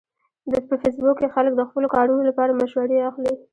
په فېسبوک کې خلک د خپلو کارونو لپاره مشورې اخلي